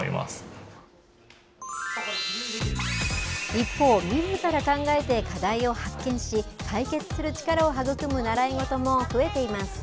一方、みずから考えて課題を発見し、解決する力をはぐくむ習い事も増えています。